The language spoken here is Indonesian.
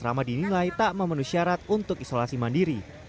drama dinilai tak memenuhi syarat untuk isolasi mandiri